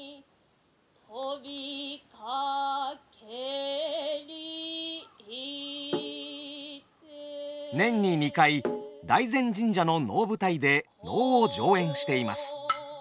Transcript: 飛びかけりて年に２回大膳神社の能舞台で能を上演しています。